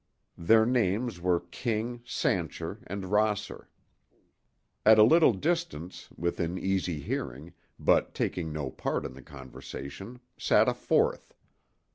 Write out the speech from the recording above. Their names were King, Sancher and Rosser. At a little distance, within easy hearing, but taking no part in the conversation, sat a fourth.